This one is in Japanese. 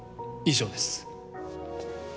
以上です。